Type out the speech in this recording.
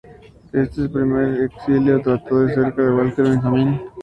En este primer exilio trató de cerca a Walter Benjamin.